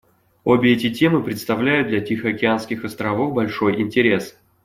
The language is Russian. Обе эти темы представляют для тихоокеанских островов большой интерес.